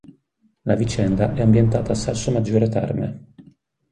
La vicenda è ambientata a Salsomaggiore Terme.